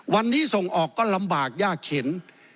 วันนี้ส่งออกก็ลำบากยากเข็น